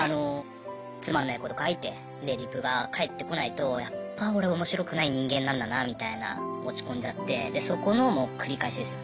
つまんないこと書いてでリプが返ってこないとやっぱ俺面白くない人間なんだなみたいな落ち込んじゃってでそこのもう繰り返しですよ。